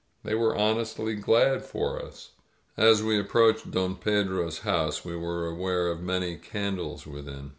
They were honestly glad for us. As we approached Don Pedro's house we were aware of many candles within.